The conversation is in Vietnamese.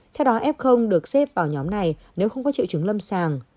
theo đó f được xếp vào nhóm này nếu không có triệu chứng lâm sàng